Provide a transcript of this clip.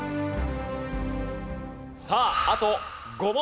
さああと５問です。